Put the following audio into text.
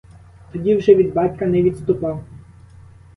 Тоді вже від батька не відступав.